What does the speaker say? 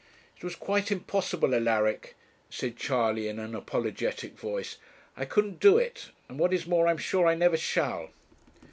'It was quite impossible, Alaric,' said Charley, in an apologetic voice. 'I couldn't do it, and, what is more, I am sure I never shall.'